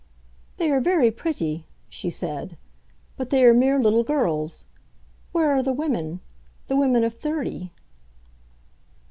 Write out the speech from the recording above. "They are very pretty," she said, "but they are mere little girls. Where are the women—the women of thirty?"